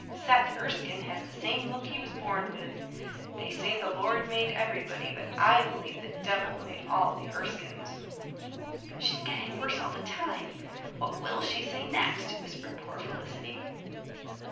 Seth Erskine has the same look he was born with. They say the Lord made everybody but I believe the devil made all the Erskines." "She's getting worse all the time. What WILL she say next?" whispered poor Felicity.